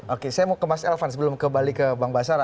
oke saya mau ke mas elvan sebelum kembali ke bang basara